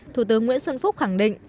thủ tướng nguyễn xuân phúc khẳng định